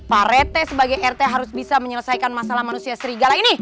pak rete sebagai rt harus bisa menyelesaikan masalah manusia serigala ini